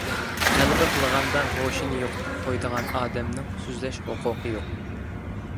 غەلىبە قىلغاندا ھوشىنى يوقىتىپ قويىدىغان ئادەمنىڭ سۆزلەش ھوقۇقى يوق!